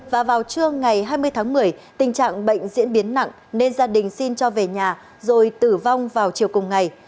và vào trưa ngày hai mươi tháng một mươi tình trạng bệnh diễn biến nặng nên gia đình xin cho về nhà rồi tử vong vào chiều cùng ngày